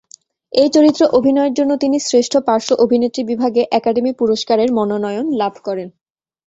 এই চরিত্রে অভিনয়ের জন্য তিনি শ্রেষ্ঠ পার্শ্ব অভিনেত্রী বিভাগে একাডেমি পুরস্কারের মনোনয়ন লাভ করেন।